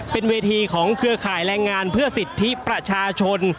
เป็นเวทีของเครือข่ายแรงงานเพื่อสิทธิประชาชน